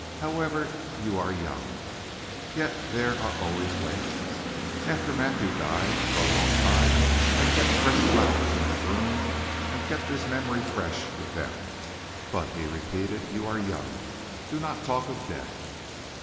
However you are young, yet there are ways. After Matthew died, for a long time I kept fresh flowers in his room and kept his memory fresh with them. But," he repeated, "you are young. Do not talk of death!"